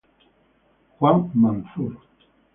Juan Manzur.